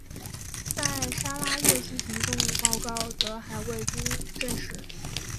在砂拉越幸存的动物报告则还未经证实。